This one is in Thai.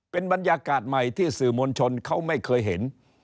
เป็นบรรยากาศใหม่ที่สื่อมวลชนเขาไม่เคยเห็น